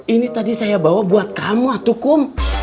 ini tadi saya bawa buat kamu ataukum